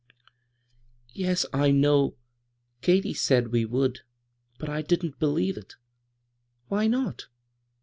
" Yes, 1 know. Katy said we would, but I didn't believe it" "Why not?"